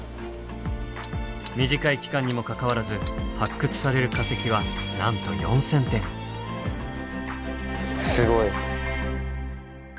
短い期間にもかかわらず発掘される化石はなんとすごい！